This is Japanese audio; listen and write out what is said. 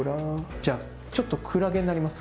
じゃあちょっとクラゲになります。